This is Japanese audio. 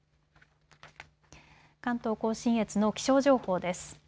関東甲信越の気象情報です。